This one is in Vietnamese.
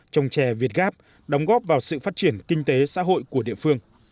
trồng trè việt gáp đóng góp vào sự phát triển kinh tế xã hội của địa phương